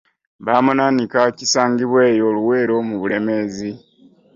Baamunaanika kisangibwa eyo Luweero mu Bulemeezi.